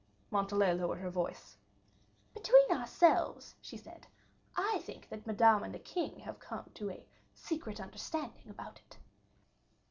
Montalais lowered her voice. "Between ourselves," she said, "I think that Madame and the king have come to a secret understanding about it."